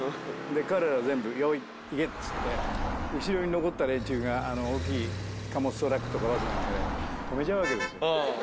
で彼ら全部用意行けっつって後ろに残った連中が大きい貨物トラックとかバスで止めちゃうわけですよ。